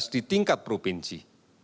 di tingkat provinsi